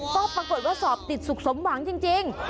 ก็ปรากฏว่าสอบติดสุขสมหวังจริง